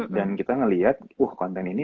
dan kita ngeliat wah konten ini